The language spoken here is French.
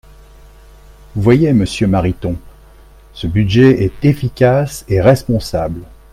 Vous voyez, monsieur Mariton, ce budget est efficace et responsable.